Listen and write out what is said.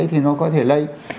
thì nó có thể lây